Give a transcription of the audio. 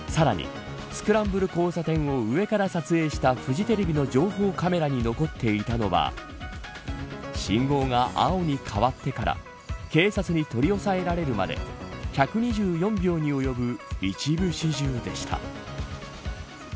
さらに、スクランブル交差点を上から撮影したフジテレビの情報カメラに残っていたのは信号が青に変わってから警察に取り押さえられるまで１２４秒に及ぶ一部始終でした。